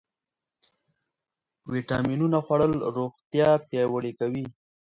د ویټامینونو خوړل روغتیا پیاوړې کوي.